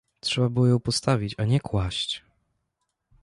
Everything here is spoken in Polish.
— Trzeba było ją postawić, a nie kłaść!